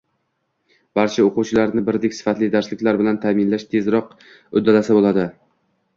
Barcha oʻquvchilarni birdek sifatli darsliklar bilan taʼminlashni tezroq uddalasa boʻladi.